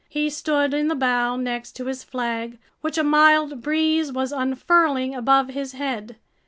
He stood in the bow next to his flag, which a mild breeze was unfurling above his head.